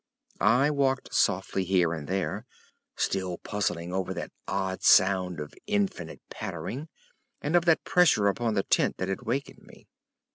I walked softly here and there, still puzzling over that odd sound of infinite pattering, and of that pressure upon the tent that had wakened me.